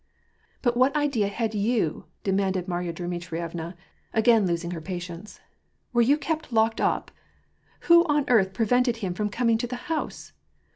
" But what idea had you ?" demanded Marya Dmitrievna, again losing her patience. " Were you kept locked up ? Who on earth prevented him from coming to the house